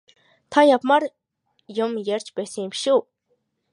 Та явмаар юм ярьж байсан биш үү?